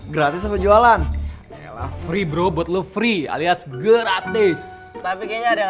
gratis perjualan free bro buat lu free alias gratis tapi kayaknya ada yang